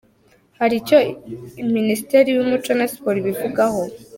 Hari icyo Minisiteri y’Umuco na Siporo ibivugaho.